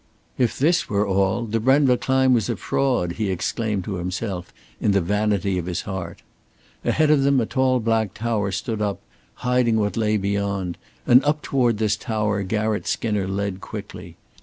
If this were all, the Brenva climb was a fraud, he exclaimed to himself in the vanity of his heart. Ahead of them a tall black tower stood up, hiding what lay beyond, and up toward this tower Garratt Skinner led quickly.